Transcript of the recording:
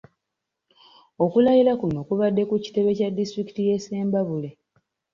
Okulayira kuno kubadde ku kitebe kya disitulikiti y’e Ssembabule.